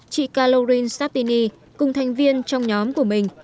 chị kalorin saptini cùng thành viên trong nhóm của mình